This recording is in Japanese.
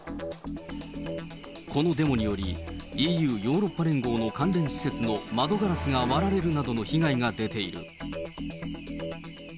このデモにより、ＥＵ・ヨーロッパ連合の関連施設の窓ガラスが割られるなどの被害が出ている。